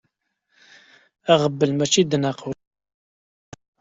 Aɣbel mačči d nnaqus.